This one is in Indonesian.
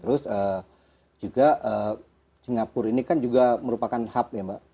terus juga singapura ini kan juga merupakan hub ya mbak